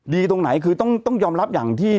ตรงไหนคือต้องยอมรับอย่างที่